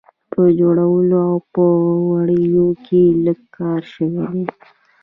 په جوړولو او په وړیو یې لږ کار شوی دی.